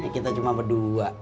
kita cuma berdua